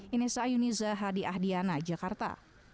ini saya yuniza hadi ahdiana jakarta